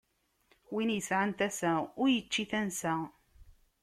Win isɛan tasa, ur ičči tansa.